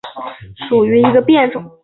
洼点蓼为蓼科蓼属下的一个变种。